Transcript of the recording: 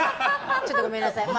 ちょっとごめんなさい。